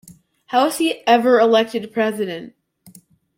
How was he ever elected President?